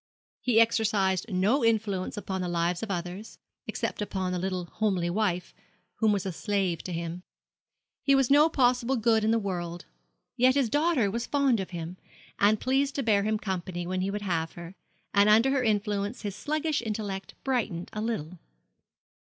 He exercised no influence upon the lives of others, except upon the little homely wife, who was a slave to him. He was no possible good in the world. Yet his daughter was fond of him, and pleased to bear him company when he would have her; and under her influence his sluggish intellect brightened a little.